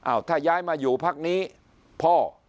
ถ้าย้ายมาอยู่พักนี้พ่อ